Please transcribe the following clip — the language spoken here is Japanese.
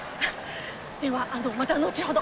ではあのまた後ほど。